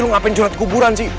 lu ngapain curhat di kuburan sih